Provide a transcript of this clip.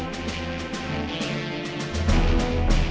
menempatkan mereka di dalam rumah